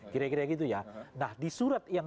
kira kira gitu ya nah di surat yang